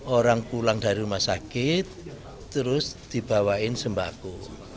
orang pulang dari rumah sakit terus dibawain sembako